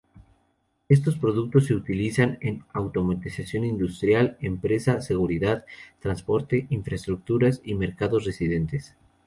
Estos productos se utilizan en automatización industrial, empresa, seguridad, transporte, infraestructuras y mercados residenciales.